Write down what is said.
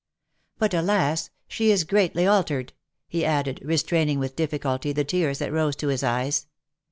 "But, alas! she is greatly al tered," he added, restraining with difficulty the tears that rose to his eyes.